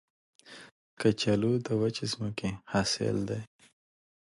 کچالو د وچې ځمکې حاصل دی